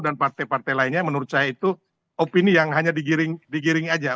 dan partai partai lainnya menurut saya itu opini yang hanya digiringi aja